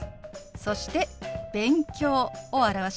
そして「勉強」を表します。